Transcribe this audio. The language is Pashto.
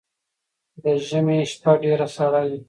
ده ژمی شپه ډیره سړه وی